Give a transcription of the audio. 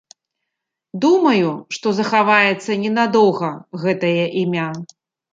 Думаю, што захаваецца ненадоўга гэтае імя.